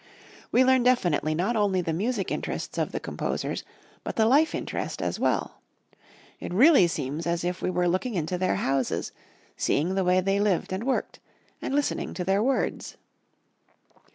We learn definitely not only the music interests of the composers, but the life interest as well. It really seems as if we were looking into their houses, seeing the way they lived and worked, and listening to their words.